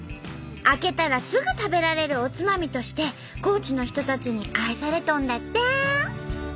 開けたらすぐ食べられるおつまみとして高知の人たちに愛されとんだって！